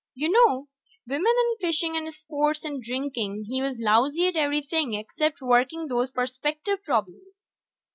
You know ... women and fishing and sports and drinking; he was lousy at everything except working those perspective problems.